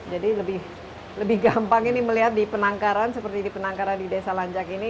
jadi lebih gampang ini melihat di penangkaran seperti di penangkaran di desa lanjak ini